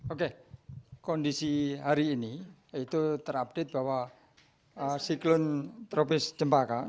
oke kondisi hari ini itu terupdate bahwa siklon tropis cempaka